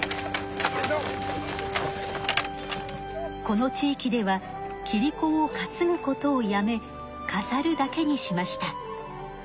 この地域ではキリコを担ぐことをやめかざるだけにしました。